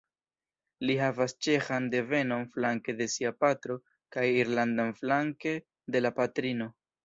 Li havas ĉeĥan devenon flanke de sia patro kaj irlandan flanke de la patrino.